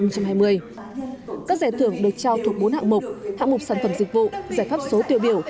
các giải thưởng được trao thuộc bốn hạng mục hạng mục sản phẩm dịch vụ giải pháp số tiêu biểu